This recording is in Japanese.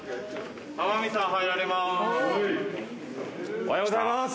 「おはようございます」